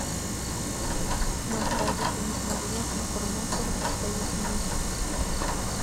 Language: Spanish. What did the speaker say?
Más tarde ese mismo día, se informó sobre su fallecimiento.